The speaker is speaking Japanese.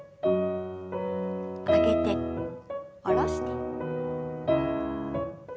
上げて下ろして。